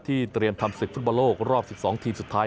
เตรียมทำศึกฟุตบอลโลกรอบ๑๒ทีมสุดท้าย